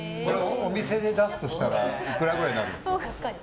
お店で出すとしたらいくらくらいになるんですか。